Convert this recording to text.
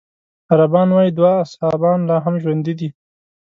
عربان وايي دوه اصحابان لا هم ژوندي دي.